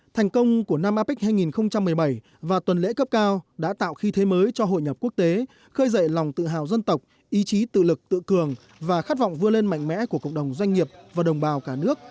thành công của năm apec hai nghìn một mươi bảy và tuần lễ cấp cao đã tạo khí thế mới cho hội nhập quốc tế khơi dậy lòng tự hào dân tộc ý chí tự lực tự cường và khát vọng vươn lên mạnh mẽ của cộng đồng doanh nghiệp và đồng bào cả nước